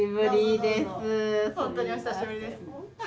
本当にお久しぶりです。